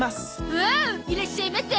おおいらっしゃいませ！